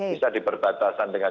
bisa diperbatasan dengan